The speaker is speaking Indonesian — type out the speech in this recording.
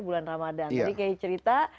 bulan ramadhan jadi kayak cerita